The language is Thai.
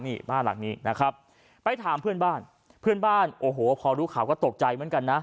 นี่บ้านหลังนี้นะครับไปถามเพื่อนบ้านเพื่อนบ้านโอ้โหพอรู้ข่าวก็ตกใจเหมือนกันนะ